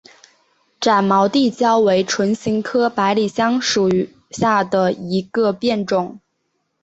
展毛地椒为唇形科百里香属下的一个变种。